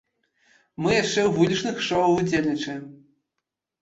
Мы яшчэ ў вулічных шоў удзельнічаем.